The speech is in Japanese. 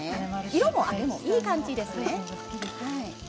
色もいい感じですね。